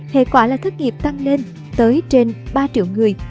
hệ quả là thất nghiệp tăng lên tới trên ba triệu người